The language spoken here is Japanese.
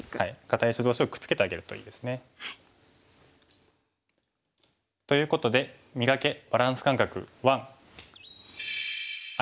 堅い石同士をくっつけてあげるといいですね。ということで「磨け！バランス感覚１」。